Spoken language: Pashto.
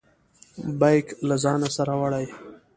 بیګ له ځانه سره وړئ؟